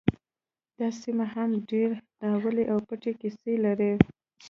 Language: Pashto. دا سیمه لا هم ډیرې ناوییلې او پټې کیسې لري